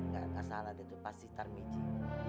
gak salah dia tuh pasti tergijik